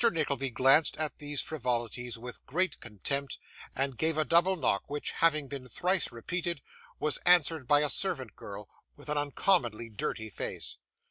Nickleby glanced at these frivolities with great contempt, and gave a double knock, which, having been thrice repeated, was answered by a servant girl with an uncommonly dirty face.